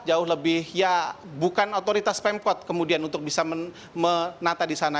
jauh lebih ya bukan otoritas pemkot kemudian untuk bisa menata di sana